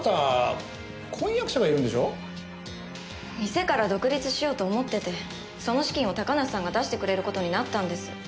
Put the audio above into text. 店から独立しようと思っててその資金を高梨さんが出してくれる事になったんです。